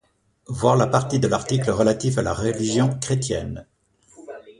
Voir la partie de l'article relatif à la religion Chrétienne.